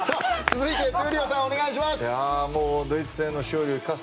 続いて、闘莉王さんお願いします。